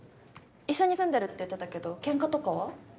一緒に住んでるって言ってたけどケンカとかは？